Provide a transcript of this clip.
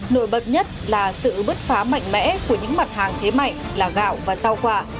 nổi bật nhất là sự bứt phá mạnh mẽ của những mặt hàng thế mạnh là gạo và rau quả